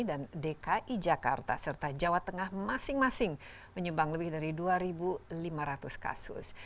dan dki jakarta serta jawa tengah masing masing menyumbang lebih dari dua lima ratus kasus